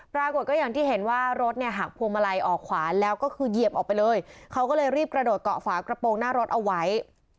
ปรากฏก็อย่างที่เห็นว่ารถเนี่ยหักพวงมาลัยออกขวาแล้วก็คือเหยียบออกไปเลยเขาก็เลยรีบกระโดดเกาะฝากระโปรงหน้ารถเอาไว้